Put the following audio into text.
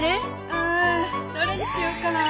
うんどれにしようかな？